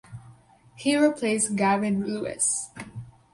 He replaced Gavin Lewis.